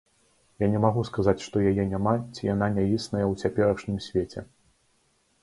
Я не магу сказаць, што яе няма ці яна не існая ў цяперашнім свеце.